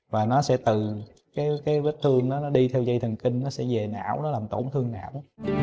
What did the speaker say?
và nó sẽ từ cái vết thương nó đi theo dây thần kinh nó sẽ dày não nó làm tổn thương não